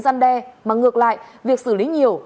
gian đe mà ngược lại việc xử lý nhiều